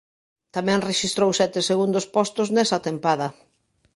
Tamén rexistrou sete segundos postos nesa tempada.